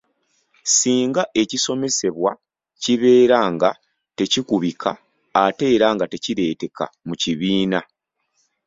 Singa ekisomesebwa kibeera nga tekikubika ate era nga tekireeteka mu kibiina.